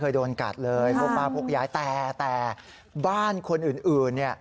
เคยโดนกัดเลยพวกป้าพวกยายแต่บ้านคนอื่นเนี่ย